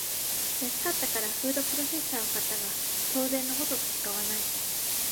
安かったからフードプロセッサーを買ったが当然のごとく使わない